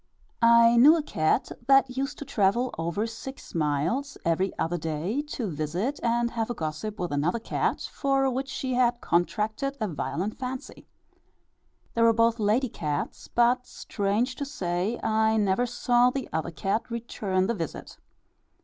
I knew a cat that used to travel over six miles every other day to visit and have a gossip with another cat for which she had contracted a violent fancy. They were both lady cats; but, strange to say, I never saw the other cat return the visit.